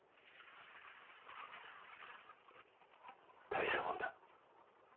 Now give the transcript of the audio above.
大したもんだ。